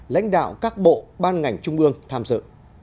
lãnh đạo các bộ ban ngành trung ương tham dự